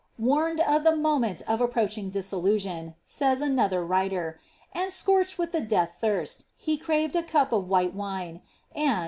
^ Warned of the moment of approaching dissolution,^' says another writer, ^ and scorched with the death thirst, he craved a cop of while wine, and.